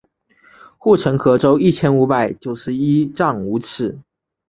护城河周一千五百九十一丈五尺。